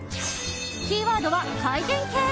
キーワードは回転系。